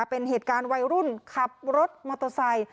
เป็นเหตุการณ์วัยรุ่นขับรถมอเตอร์ไซค์